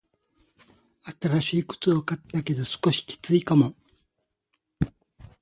新しい靴を買ったけど、少しきついかも。